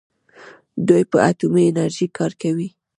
دوی په اټومي انرژۍ کار کوي.